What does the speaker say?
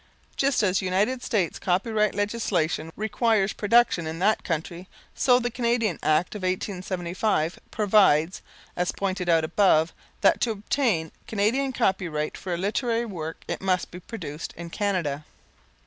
Just as United States Copyright Legislation requires production in that country so the Canadian Act of 1875 provides, as pointed out above, that to obtain Canadian copyright for a literary work it must be produced in Canada.